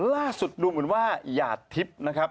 ล่าสุดดูเหมือนว่าหญาติทริปนะครับ